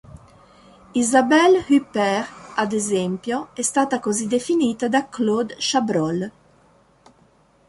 Isabelle Huppert, ad esempio, è stata così definita da Claude Chabrol.